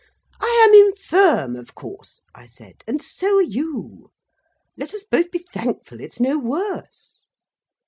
"I am infirm, of course," I said, "and so are you. Let us both be thankful it's no worse."